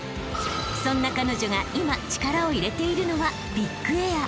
［そんな彼女が今力を入れているのは］